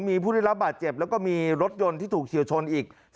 มีผู้ได้รับบาดเจ็บแล้วก็มีรถยนต์ที่ถูกเฉียวชนอีก